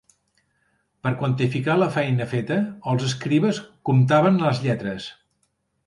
Per quantificar la feina feta els escribes comptaven les lletres.